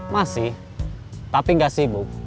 masih tapi enggak sibuk